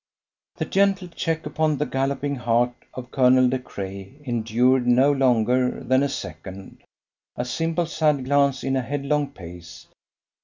The gentle check upon the galloping heart of Colonel De Craye endured no longer than a second a simple side glance in a headlong pace.